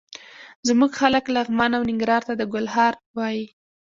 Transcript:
زموږ خلک لغمان او ننګرهار ته د ګل هار وايي.